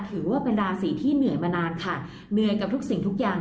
ถือว่าเป็นราศีที่เหนื่อยมานานค่ะเหนื่อยกับทุกสิ่งทุกอย่าง